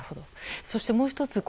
そしてもう１つ。